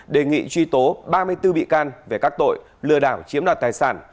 đề nghị truy tố ba mươi bốn bị can về các tội lừa đảo chiếm đoạt tài sản